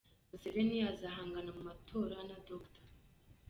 Museveni azahangana mu matora na Dr.